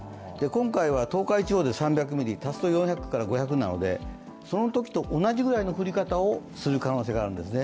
今回は東海地方で３００ミリ、足すと４００５００なのでそのときと同じぐらいの降り方をする可能性があるんですね。